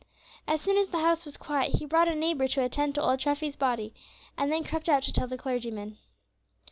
As soon as the house was quiet, he brought a neighbor to attend to old Treffy's body, and then crept out to tell the clergyman.